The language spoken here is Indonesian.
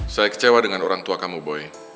saya kecewa dengan orang tua kamu boy